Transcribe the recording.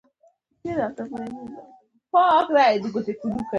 دغه قضاوت د لومړۍ میلادي پېړۍ یوې چینایي نجلۍ مثال لري.